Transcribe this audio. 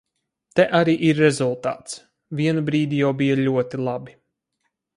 Te arī ir rezultāts... Vienu brīdi jau bija ļoti labi.